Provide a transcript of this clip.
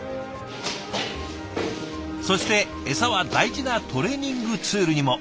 そして餌は大事なトレーニングツールにも。